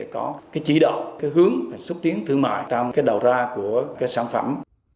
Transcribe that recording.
có cái chỉ đạo cái hướng xúc tiến thương mại trong cái đầu ra của cái sản phẩm